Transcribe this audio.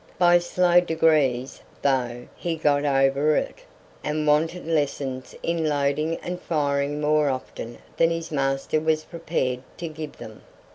By slow degrees, though, he got over it, and wanted lessons in loading and firing more often than his master was prepared to give them.